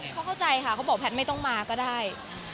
เขาเข้าใจค่ะเขาบอกแพทย์ไม่ต้องมาก็ได้